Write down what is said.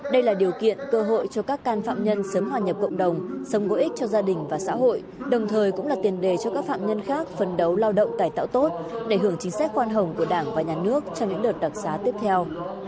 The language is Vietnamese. đây là điều kiện cơ hội cho các can phạm nhân sớm hòa nhập cộng đồng sống có ích cho gia đình và xã hội đồng thời cũng là tiền đề cho các phạm nhân khác phần đấu lao động cải tạo tốt để hưởng chính sách khoan hồng của đảng và nhà nước trong những đợt đặc xá tiếp theo